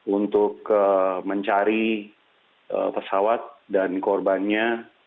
untuk mencari pesawat dan korbannya